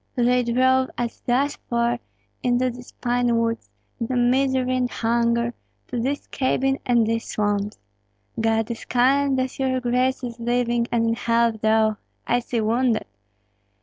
They drove us thus far into these pine woods, into misery and hunger, to this cabin and these swamps. God is kind that your grace is living and in health, though, I see, wounded.